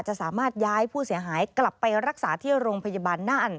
จะสามารถย้ายผู้เสียหายกลับไปรักษาที่โรงพยาบาลน่าน